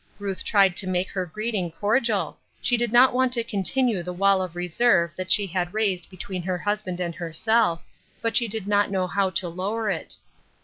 Ruth tried to make her greeting cordial ; she did not want to continue the wall of reserve that she had raised between her husband and her self, but she did not know how to lower it.